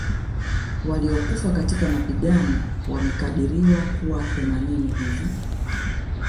Waliokufa katika mapigano wamekadiriwa kuwa themanini hivi